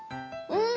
うん。